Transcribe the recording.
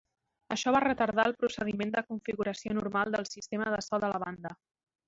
Això va retardar el procediment de configuració normal del sistema de so de la banda.